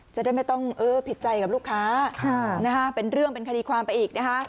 จะได้ไม่ต้องผิดใจกับลูกค้าเป็นเรื่องเป็นคดีความไปอีกนะคะ